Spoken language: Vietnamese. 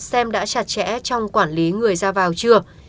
xem đã chặt chẽ trong quản lý người ra vào chưa